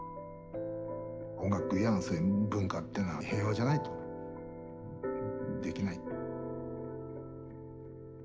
音楽やそういう文化ってのは平和じゃないとできない。